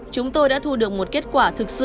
chúng tôi đã thu được một kết quả thực sự